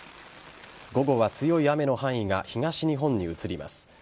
午後は強い雨の範囲が東日本に移ります。